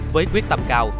với quyết tâm cao